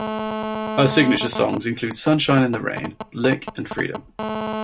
Her signature songs include "Sunshine and the Rain", "Lick", and "Freedom".